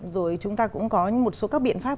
và một số biện pháp